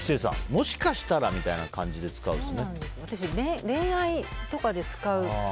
もしかしたらみたいな感じで私、恋愛とかで使う。